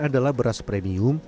adalah beras premium